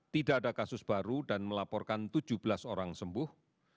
tidak ada kasus baru dan melaporkan tujuh belas orang sembuh